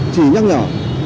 chỉ nhắc nhở